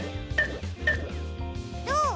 どう？